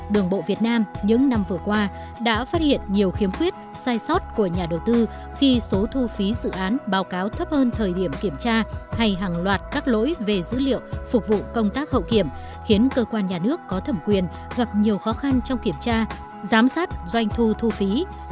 đường bộ việt nam những năm vừa qua đã phát hiện nhiều khiếm khuyết sai sót của nhà đầu tư khi số thu phí dự án báo cáo thấp hơn thời điểm kiểm tra hay hàng loạt các lỗi về dữ liệu phục vụ công tác hậu kiểm khiến cơ quan nhà nước có thẩm quyền gặp nhiều khó khăn trong kiểm tra giám sát doanh thu thu phí